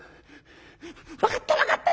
分かった分かった！